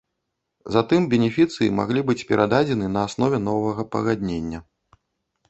Затым бенефіцыі маглі быць перададзены на аснове новага пагаднення.